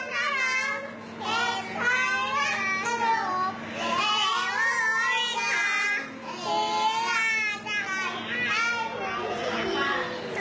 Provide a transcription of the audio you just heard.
ทุกอย่างเป็นชาติ